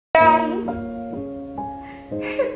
ตั้ง